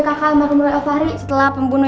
kakak sama pembunuh elfari setelah pembunuh